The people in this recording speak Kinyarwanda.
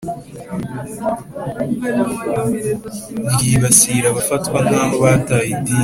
ryibasira abafatwa nkaho bataye idini